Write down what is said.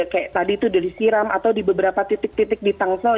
kayak tadi itu sudah disiram atau di beberapa titik titik di tangsel